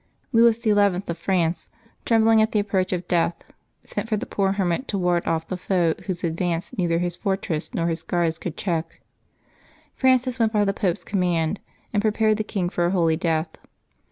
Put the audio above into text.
Louis XL of France, trembling at the approach of death, sent for the poor hermit to ward off the foe whose advance neither his fortresses nor his guards could check. Francis went by the Pope's command, and prepared the king for a holy death.